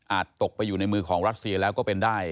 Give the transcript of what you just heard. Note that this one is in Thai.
ตกไปอยู่ในมือของรัสเซียแล้วก็เป็นได้